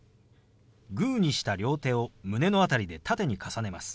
グーにした両手を胸の辺りで縦に重ねます。